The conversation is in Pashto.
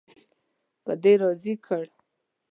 په دې راضي کړ.